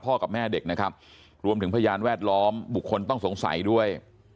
กับแม่เด็กนะครับรวมถึงพยานแวดล้อมบุคคลต้องสงสัยด้วย